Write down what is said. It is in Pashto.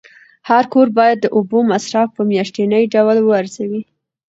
هر کور باید د اوبو مصرف په میاشتني ډول وارزوي.